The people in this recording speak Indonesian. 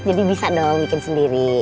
jadi bisa dong bikin sendiri